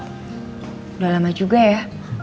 udah lama juga ya